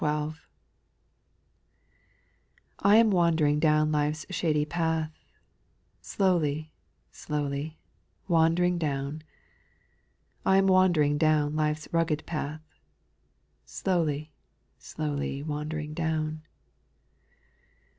T AM wandering down life's shady path, X Slowly, slowly, wandering down ; I am wandering down life's rugged path, Slowly, slowly, wandering down.